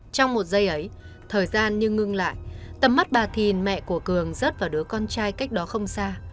trong một giây ấy thời gian như ngưng lại tầm mắt bà thìn mẹ của cường rớt vào đứa con trai cách đó không xa